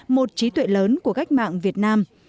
một trí tuệ lớn của cách mạng việt nam